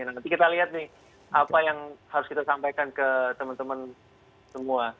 nah nanti kita lihat nih apa yang harus kita sampaikan ke teman teman semua